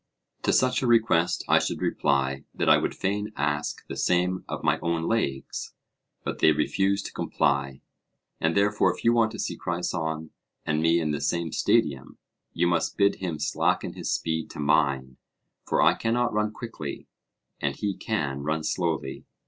To such a request I should reply that I would fain ask the same of my own legs; but they refuse to comply. And therefore if you want to see Crison and me in the same stadium, you must bid him slacken his speed to mine, for I cannot run quickly, and he can run slowly.